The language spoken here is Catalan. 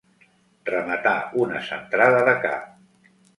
Rematar una centrada de cap.